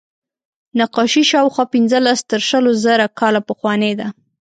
نقاشي شاوخوا پینځلس تر شلو زره کاله پخوانۍ ده.